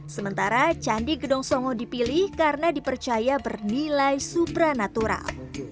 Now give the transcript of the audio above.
sementara candi gedong songo dipilih karena dipercaya bernilai supranatural